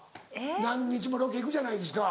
何日もロケ行くじゃないですか。